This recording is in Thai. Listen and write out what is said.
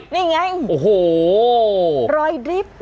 นี่ไงโอ้โหรอยริฟต์